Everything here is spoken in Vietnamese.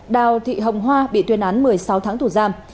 đào thị hồng hoa bị tuyên án một mươi sáu tháng tù giam